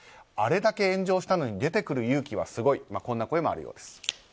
あれだけ炎上したのに出てくる勇気はすごいという声もあるようです。